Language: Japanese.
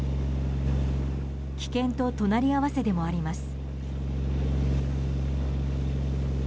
危険と隣り合わせでもあります。